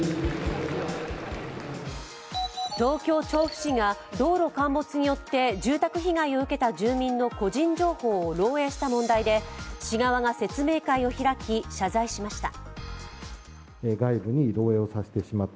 東京・調布市が道路陥没によって住宅被害を受けた住民の個人情報を漏えいした問題で、市側が説明会を開き、謝罪しました。